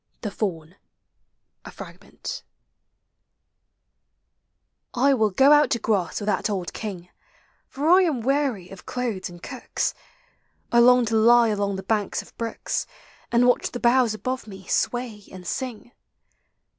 THE FAUN. A FRAGMENT. I will go out to grass with that old King, For I am weary of clothes and cooks. I long to lie along the banks of brooks, And watch the boughs above me sway and swing.